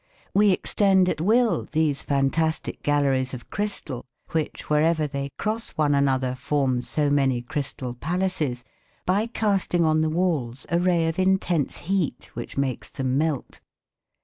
We extend at will these fantastic galleries of crystal, which, wherever they cross one another, form so many crystal palaces, by casting on the walls a ray of intense heat which makes them melt.